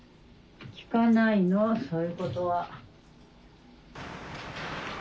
・聞かないのそういうことは。